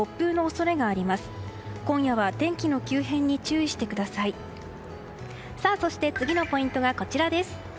そして、次のポイントがこちらです。